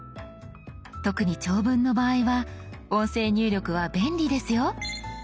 特に長文の場合は音声入力は便利ですよ。